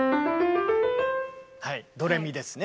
はいドレミですね。